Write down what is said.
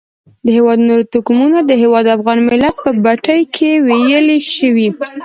د هېواد نور توکمونه د واحد افغان ملت په بټۍ کې ویلي شوي.